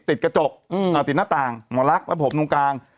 ติดกระจกติดหน้าต่างหมอลักษณ์และผมตรงกลาง